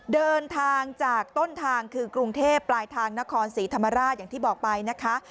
เดินทางจากต้นทางคือกรุงเทพปลายทางนครศรีธรรมราชอย่างที่บอกไปนะคะ